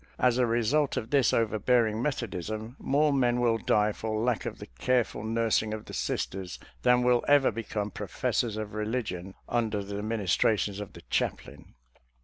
As a result of this overbearing Methodism, more men will die for lack of the careful nursing of the Sisters than will ever become professors of religion under the ministrations of the chaplain.